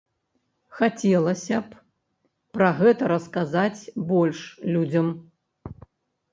Хацелася б пра гэта расказаць больш людзям.